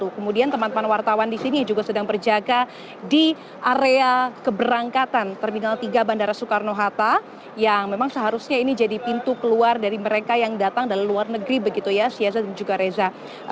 kemudian teman teman wartawan di sini juga sedang berjaga di area keberangkatan terminal tiga bandara soekarno hatta yang memang seharusnya ini jadi pintu keluar dari mereka yang datang dari luar negeri begitu ya syaza dan juga reza